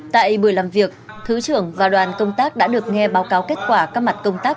tại buổi làm việc thứ trưởng và đoàn công tác đã được nghe báo cáo kết quả các mặt công tác